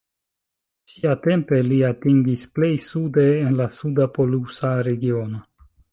Siatempe, li atingis plej sude en la suda polusa regiono.